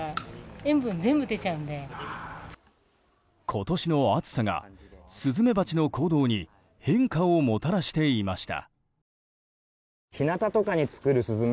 今年の暑さがスズメバチの行動に変化をもたらしていました。